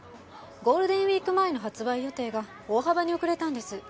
ゴールデンウィーク前の発売予定が大幅に遅れたんです。